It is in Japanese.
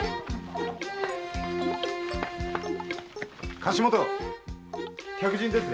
貸元客人ですぜ。